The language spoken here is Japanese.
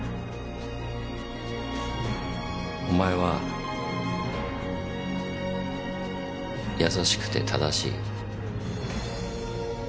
お前は優しくて正しい。